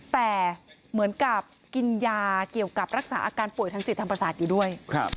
แต่เหมือนกับกินยาเกี่ยวกับรักษาอาการป่วยทางจิตทางประสาทอยู่ด้วย